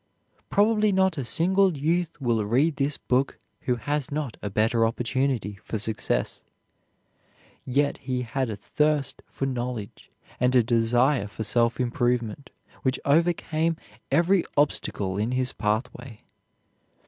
Probably not a single youth will read this book who has not a better opportunity for success. Yet he had a thirst for knowledge and a desire for self improvement, which overcame every obstacle in his pathway.